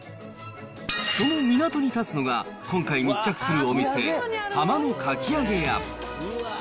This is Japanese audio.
その港に建つのが今回密着するお店、浜のかきあげや。